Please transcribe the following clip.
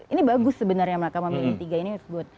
ini bagus sebenarnya mereka membeli tiga ini